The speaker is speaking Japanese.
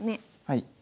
はい。